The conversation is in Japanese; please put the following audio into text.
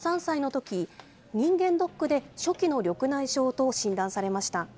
こちらの５０歳の男性は、４３歳のとき、人間ドックで初期の緑内障と診断されました。